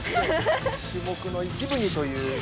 種目の一部にという。